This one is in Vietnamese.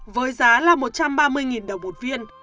với giá là một trăm ba mươi đồng một viên